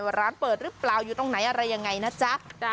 ว่าร้านเปิดหรือเปล่าอยู่ตรงไหนอะไรยังไงนะจ๊ะ